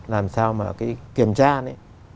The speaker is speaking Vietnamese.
làm sao mà cái kiểm tra này